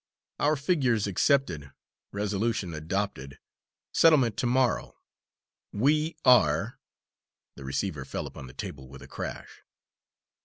"Our figures accepted resolution adopted settlement to morrow. We are " The receiver fell upon the table with a crash.